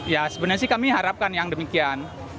ya sebenarnya sih kami harapkan yang demikian